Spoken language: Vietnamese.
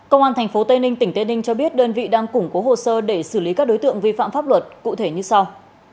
công an tp tây ninh tỉnh tây ninh cho biết đơn vị đang củng cố hồ sơ để xử lý các đối tượng vi phạm pháp luật cụ thể như sau